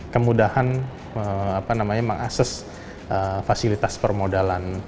kemudahan mengakses fasilitas permodalan